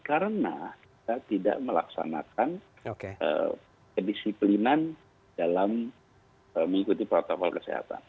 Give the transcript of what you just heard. karena kita tidak melaksanakan kedisiplinan dalam mengikuti protokol kesehatan